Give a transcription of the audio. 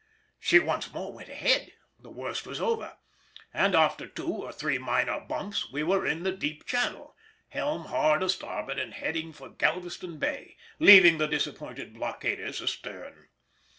_] She once more went ahead: the worst was over, and, after two or three minor bumps, we were in the deep channel, helm hard a starboard and heading for Galveston Bay, leaving the disappointed blockaders astern.